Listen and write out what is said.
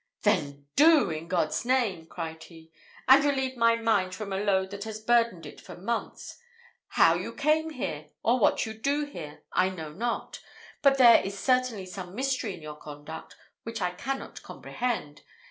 "Then do, in God's name!" cried he, "and relieve my mind from a load that has burdened it for months. How you came here, or what you do here, I know not; but there is certainly some mystery in your conduct, which I cannot comprehend.